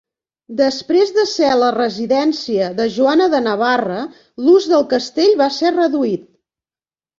Després de ser la residència de Joana de Navarra, l'ús del castell va ser reduït.